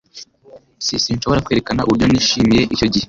S Sinshobora kwerekana uburyo nishimiye icyo gihe.